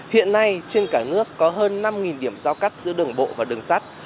hiện nay trên cả nước có hơn năm điểm giao cắt giữa đường bộ và đường sắt